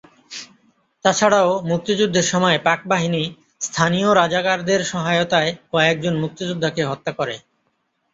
তাছাড়াও মুক্তিযুদ্ধের সময় পাকবাহিনী স্থানীয় রাজাকারদের সহায়তায় কয়েকজন মুক্তিযোদ্ধাকে হত্যা করে।